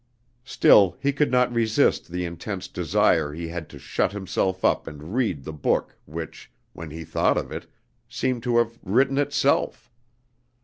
Still, he could not resist the intense desire he had to shut himself up and read the book which, when he thought of it, seemed to have written itself.